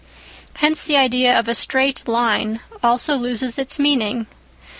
Hence the idea of a straight line also loses its meaning.